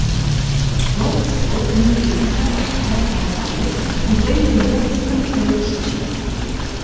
Wolfsburg nimmt den Torhüter vom Eis und bringt den sechsten Feldspieler.